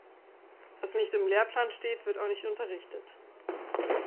Was nicht im Lehrplan steht, wird auch nicht unterrichtet.